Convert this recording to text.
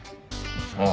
ああ。